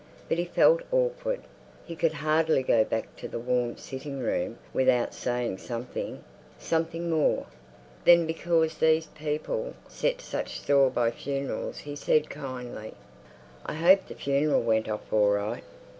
But he felt awkward. He could hardly go back to the warm sitting room without saying something—something more. Then because these people set such store by funerals he said kindly, "I hope the funeral went off all right."